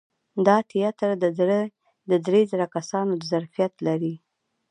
دا تیاتر د درې زره کسانو د ظرفیت لري.